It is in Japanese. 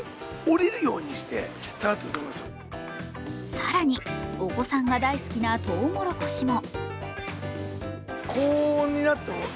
更に、お子さんが大好きなとうもろこしも。